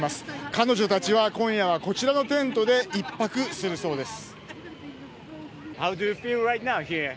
彼女たちは今夜はこちらのテントで一泊するそうです。